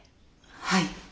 はい。